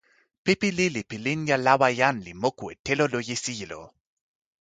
pipi lili pi linja lawa jan li moku e telo loje sijelo.